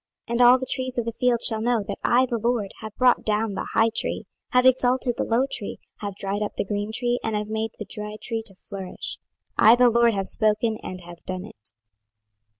26:017:024 And all the trees of the field shall know that I the LORD have brought down the high tree, have exalted the low tree, have dried up the green tree, and have made the dry tree to flourish: I the LORD have spoken and have done it.